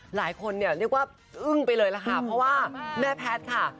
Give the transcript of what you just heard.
หลายคนเนี่ยเรียกว่าอึ้งไปเลยล่ะค่ะเพราะว่าแม่แพทย์ค่ะ